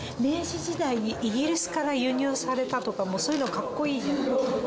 明治時代にイギリスから輸入されたとかもうそういうのカッコイイじゃん。